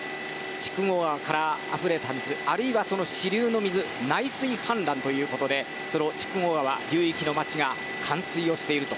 筑後川からあふれた水あるいは、その支流の水内水氾濫ということでその筑後川流域の町が冠水をしていると。